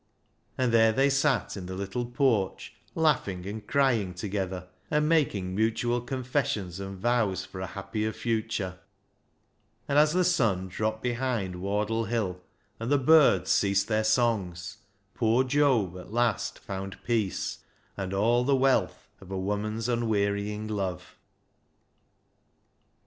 And there they sat in the little porch, laughing and crying together, and making mutual con fessions and vows for a happier future, and as the sun dropped behind Wardle Hill and the birds ceased their songs, poor Job at last found peace and all the wealth of a woman's un wearying love.